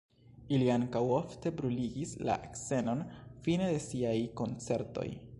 Ili ankaŭ ofte bruligis la scenon fine de siaj koncertoj.